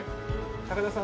高田さん